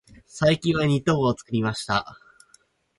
最近はニット帽を作りました。